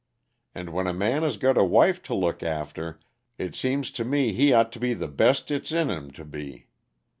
And when a man has got a wife to look after, it seems to me he ought to be the best it's in him to be.